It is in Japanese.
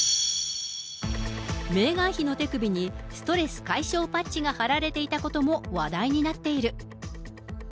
メーガン妃の手首にストレス解消パッチが貼られていたことも話題になっている。